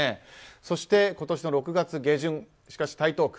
そして、今年の６月下旬しかし台東区。